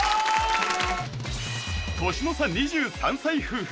年の差２３歳夫婦